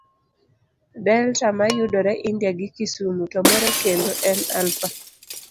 Delta mayudore India gi Kisumu, to moro kendo en Alpha.